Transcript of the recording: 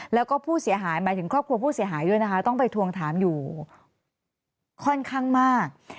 แล้วก็ผู้เสียหายหมายถึงครอบครัวผู้เสียหายด้วยนะคะต้องไปทวงถามอยู่ค่อนข้างมาก